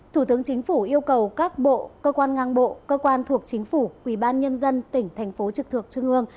thủ tướng chính phủ yêu cầu các bộ cơ quan ngang bộ cơ quan thuộc chính phủ quỳ ban nhân dân tỉnh thành phố trực thuộc trung ương